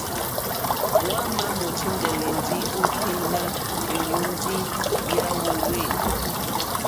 Hwámà mòtíndɛ́lɛ́ ndí ôténá ɛ̀hwɔ̀ndí yá hwōhwê.